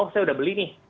oh saya udah beli nih